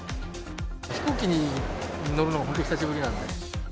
飛行機に乗るのが本当に久しぶりなんで。